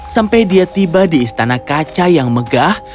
sampai dia tiba di istana kaca yang megah